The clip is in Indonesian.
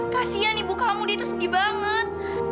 kasian ibu kamu di itu sepi banget